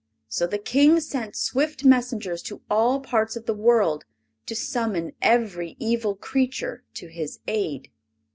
So the King sent swift messengers to all parts of the world to summon every evil creature to his aid.